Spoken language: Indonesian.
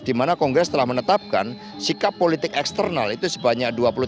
di mana kongres telah menetapkan sikap politik eksternal itu sebanyak dua puluh empat